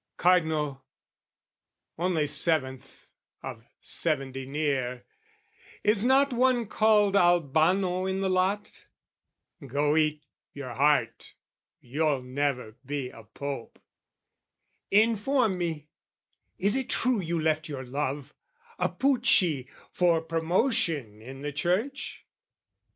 Cardinal, only seventh of seventy near, Is not one called Albano in the lot? Go eat your heart, you'll never be a Pope! Inform me, is it true you left your love, A Pucci, for promotion in the church?